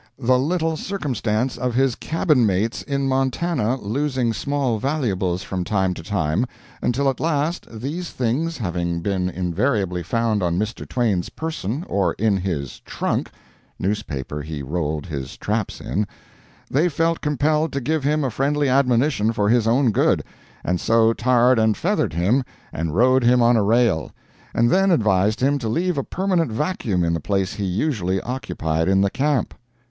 the little circumstance of his cabin mates in Montana losing small valuables from time to time, until at last, these things having been invariably found on Mr. Twain's person or in his "trunk" (newspaper he rolled his traps in), they felt compelled to give him a friendly admonition for his own good, and so tarred and feathered him, and rode him on a rail; and then advised him to leave a permanent vacuum in the place he usually occupied in the camp.